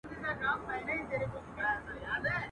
څه ښه وايي « بنده راسه د خدای خپل سه.